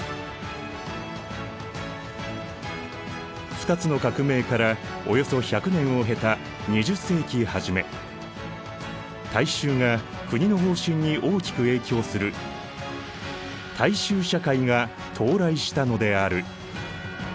二つの革命からおよそ１００年を経た２０世紀初め大衆が国の方針に大きく影響する大衆社会が到来したのである。